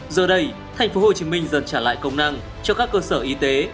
giờ đây tp hcm dần trả lại công năng cho các cơ sở y tế